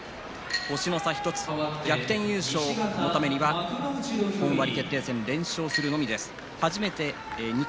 星の差１つで逆転優勝のためには本割決定戦連勝するのみです。